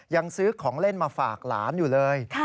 ยังซื้อของเล่นมาฝากหลานอยู่เลย